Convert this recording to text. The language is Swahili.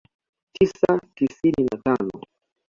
tisa tisini na tano